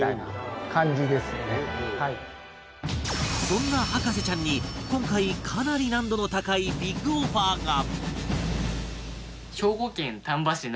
そんな博士ちゃんに今回かなり難度の高いビッグオファーが